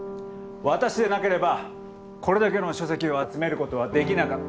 私でなければこれだけの書籍を集めることはできなかった。